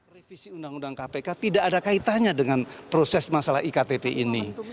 revisi undang undang kpk tidak ada kaitannya dengan proses masalah iktp ini